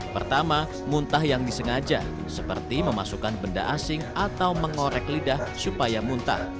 pertama muntah yang disengaja seperti memasukkan benda asing atau mengorek lidah supaya muntah